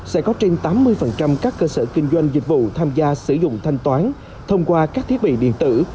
sẽ có trên tám mươi các cơ sở kinh doanh dịch vụ tham gia sử dụng thanh toán thông qua các thiết bị điện tử